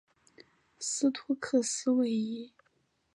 斯托克斯位移。